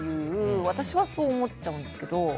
私はそう思っちゃうんですけど。